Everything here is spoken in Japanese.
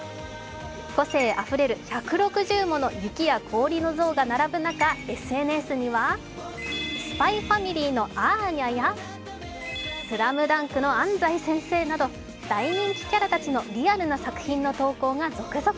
個性あふれる１６０もの雪や氷の像が並ぶ中、ＳＮＳには「ＳＰＹ×ＦＡＭＩＬＹ」のアーニャや「ＳＬＡＭＤＵＮＫ」の安西先生など大人気キャラたちのリアルな作品の投稿が続々。